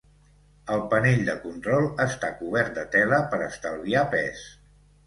El panell de control està cobert de tela per estalviar pes.